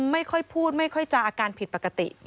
ไม่ค่อยพูดไม่ค่อยจะอาการผิดปกติ